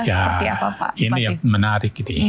ya ini yang menarik ini